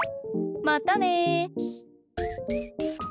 またね！